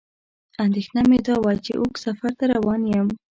اندېښنه مې دا وه چې اوږد سفر ته روان یم.